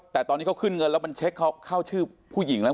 แต่ตอนนี้เขาขึ้นเงินแล้วมันเช็คเข้าชื่อผู้หญิงแล้ว